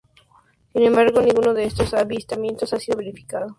Sin embargo, ninguno de estos avistamientos ha sido verificado.